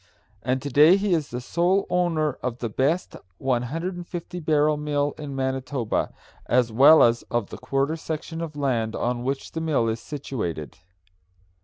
and to day he is sole owner of the best 150 barrel mill in Manitoba, as well as of the quarter section of land on which the mill is situated.